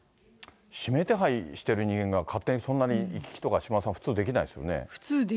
指名手配している人間が勝手にそんなに行き来とか、普通できないですね。